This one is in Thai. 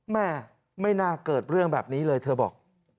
แม่ไม่น่าเกิดเรื่องแบบนี้เลยเธอบอก